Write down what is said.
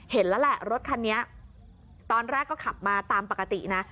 เห็นแล้วแหละรถคันนี้ตอนแรกก็ขับมาตามปกตินะ